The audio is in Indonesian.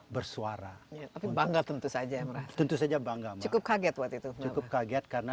bersuara bangga tentu saja tentu saja bangga cukup kaget waktu itu cukup kaget karena